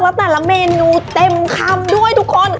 แล้วแต่ละเมนูเต็มคำด้วยทุกคน